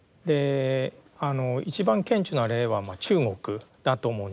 あの一番顕著な例は中国だと思うんですよね。